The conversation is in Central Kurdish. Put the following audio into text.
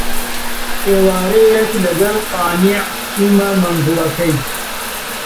ئێوارەیەک لەگەڵ قانیع چوومە مەنزڵەکەی